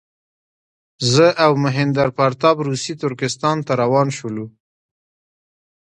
زه او مهیندراپراتاپ روسي ترکستان ته روان شولو.